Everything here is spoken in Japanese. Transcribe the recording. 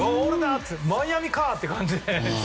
ってマイアミかって感じで。